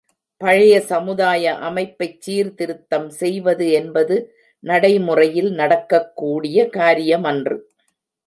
பழைய சமுதாய அமைப்பைச் சீர்திருத்தம் செய்வது என்பது நடைமுறையில் நடக்கக்கூடிய காரியமன்று.